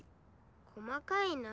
細かいな。